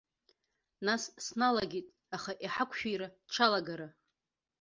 Нас сналагеит, аха иҳақәшәира дшалагара.